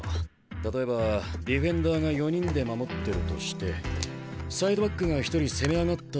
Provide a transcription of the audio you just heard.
例えばディフェンダーが４人で守ってるとしてサイドバックが１人攻め上がったとする。